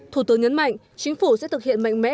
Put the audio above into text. thủ tướng nhấn mạnh chính phủ sẽ thực hiện mạnh mẽ